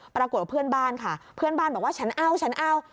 ปรากฏว่าเพื่อนบ้านค่ะเพื่อนบ้านบอกว่าฉันเอาฉันเอา